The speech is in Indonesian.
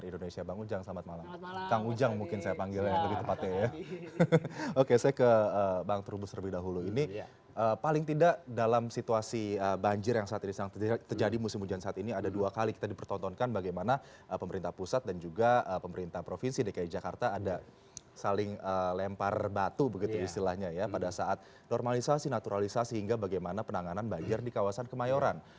ini paling tidak dalam situasi banjir yang saat ini terjadi musim hujan saat ini ada dua kali kita dipertontonkan bagaimana pemerintah pusat dan juga pemerintah provinsi tki jakarta ada saling lempar batu begitu istilahnya ya pada saat normalisasi naturalisasi hingga bagaimana penanganan banjir di kawasan kemayoran